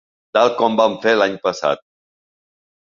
Tal com van fer l’any passat.